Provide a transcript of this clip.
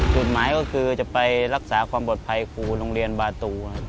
จุดหมายก็คือจะไปรักษาความปลอดภัยครูโรงเรียนบาตู